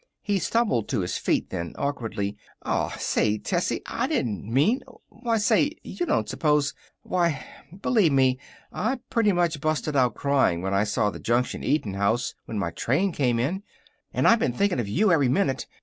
He stumbled to his feet, then, awkwardly. "Aw, say, Tessie, I didn't mean why, say you don't suppose why, believe me, I pretty near busted out cryin' when I saw the Junction eatin' house when my train came in. And I been thinking of you every minute.